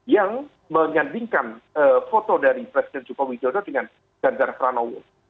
yang menyandingkan foto dari presiden jokowi dodo dengan ganjar franowo